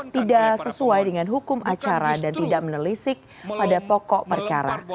tidak sesuai dengan hukum acara dan tidak menelisik pada pokok perkara